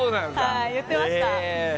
言ってました。